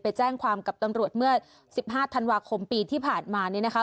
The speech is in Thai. ไปแจ้งความกับตำรวจเมื่อ๑๕ธันวาคมปีที่ผ่านมาเนี่ยนะคะ